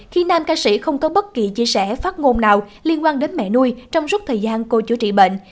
khi nam ca sĩ không có bất kỳ chia sẻ phát ngôn nào liên quan đến mẹ nuôi trong suốt thời gian cô chữa trị bệnh